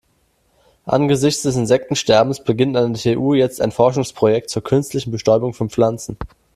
Angesichts des Insektensterbens beginnt an der TU jetzt ein Forschungsprojekt zur künstlichen Bestäubung von Pflanzen.